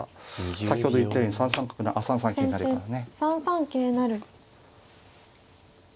先ほど言ったように３三角あっ３三桂成からね。